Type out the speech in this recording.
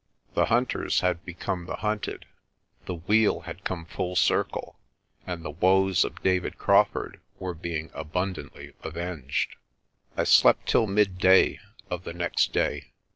The hunters had become the hunted, the wheel had come full circle, and the woes of David Crawfurd were being abundantly avenged. I slept till midday of the next day.